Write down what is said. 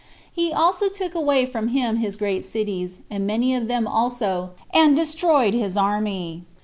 He also took away from him his great cities, and many of them also, and destroyed his army.